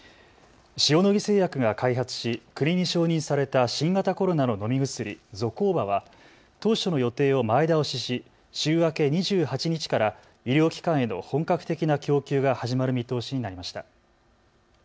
塩野義製薬が開発し国に承認された新型コロナの飲み薬、ゾコーバは当初の予定を前倒しし、週明け２８日から医療機関への本格的な供給が始まる見通しになりました。